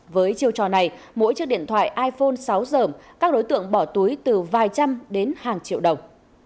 với chiêu trò này mỗi chiếc điện thoại iphone sáu giờ các đối tượng bỏ túi từ vài trăm đến hàng triệu đồng